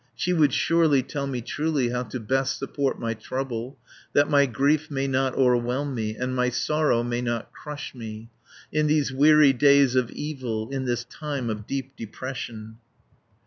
She would surely tell me truly How to best support my trouble, That my grief may not o'erwhelm me, And my sorrow may not crush me, In these weary days of evil, In this time of deep depression."